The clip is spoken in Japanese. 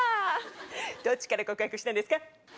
どっちから告白したんですか？